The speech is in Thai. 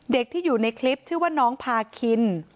เด็กที่อยู่ในคลิปชื่อว่าน้องพาคิน